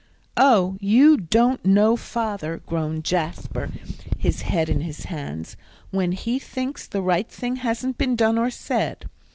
"Oh, you don't know father," groaned Jasper, his head in his hands, "when he thinks the right thing hasn't been done or said.